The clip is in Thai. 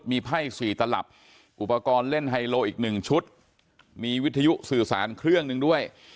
มีไพ่๔ตลับอุปกรณ์เล่นไฮโลอีก๑ชุดมีวิทยุสื่อสารเครื่องหนึ่งด้วย